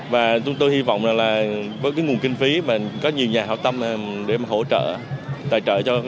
và tôi hy vọng là với nguồn kinh phí và có nhiều nhà hảo tâm để hỗ trợ tài trợ cho giải cờ